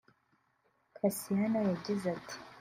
Kassiano yagize ati